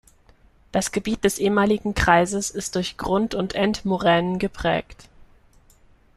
Das Gebiet des ehemaligen Kreises ist durch Grund- und Endmoränen geprägt.